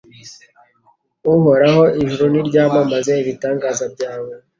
Uhoraho ijuru niryamamaze ibitangaza byawe